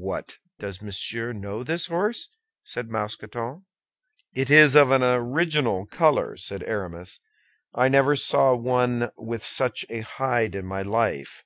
"What, does Monsieur know this horse?" said Mousqueton. "It is of an original color," said Aramis; "I never saw one with such a hide in my life."